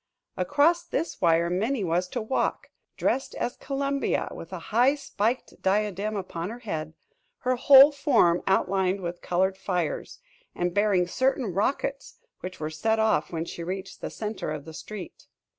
Across this wire Minnie was to walk, dressed as Columbia, with a high spiked diadem upon her head, her whole form outlined with colored fires, and bearing certain rockets which were set off when she reached the center of the street.